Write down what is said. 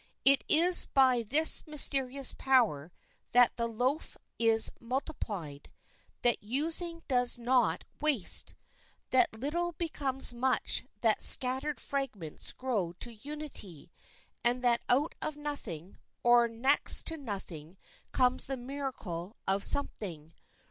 It is by this mysterious power that the loaf is multiplied, that using does not waste, that little becomes much, that scattered fragments grow to unity, and that out of nothing, or next to nothing, comes the miracle of something.